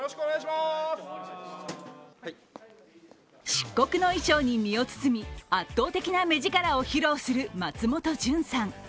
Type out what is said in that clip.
漆黒の衣装に身を包み圧倒的な目力を披露する松本潤さん。